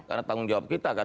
karena tanggung jawab kita kan